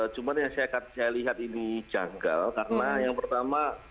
cuma yang saya lihat ini janggal karena yang pertama